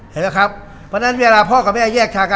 เห็นหรอครับเพราะฉะนั้นพ่อกะแม่แยกชากัน